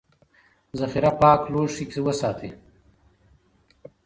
ذخیره پاک لوښي کې وساتئ.